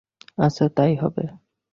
আচ্ছা, তাই হবে।